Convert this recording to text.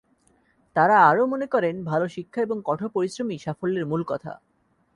তাঁরা আরও মনে করেন, ভালো শিক্ষা এবং কঠোর পরিশ্রমই সাফল্যের মূল কথা।